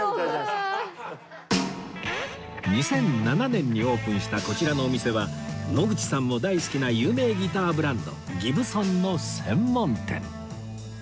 ２００７年にオープンしたこちらのお店は野口さんも大好きな有名ギターブランド Ｇｉｂｓｏｎ の専門店